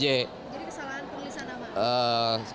jadi kesalahan penulisan nama